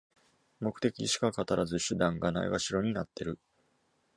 目的しか語らず、手段がないがしろになってる